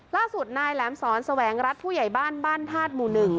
ล่าสุดนายแหลมสอนแสวงรัฐผู้ใหญ่บ้านบ้านธาตุหมู่๑